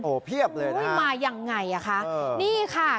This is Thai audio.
โอ้เพียบเลยนะคะโอ้โหมาอย่างไงค่ะนี่ค่ะ